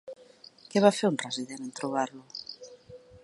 Què va fer un resident en trobar-lo?